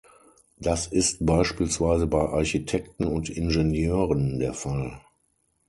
Das ist beispielsweise bei Architekten und Ingenieuren der Fall.